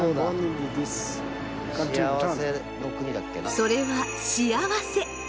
それは幸せ。